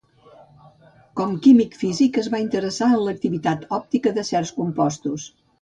Com químic-físic es va interessar en l’activitat òptica de certs compostos.